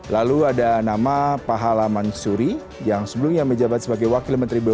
lalu ada nama pahala mansuri yang sebelumnya menjabat sebagai wakil menteri bumn satu